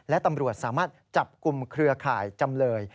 และตำรวจสามารถจับกลุ่มเครือข่ายจำเลย